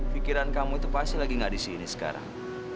pikiran kamu itu pasti lagi gak disini sekarang